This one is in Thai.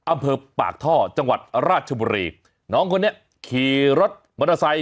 อำเภอปากท่อจังหวัดราชบุรีน้องคนนี้ขี่รถมอเตอร์ไซค